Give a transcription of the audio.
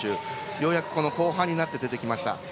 ようやく後半になって出てきました。